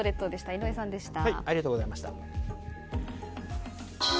井上さんでした。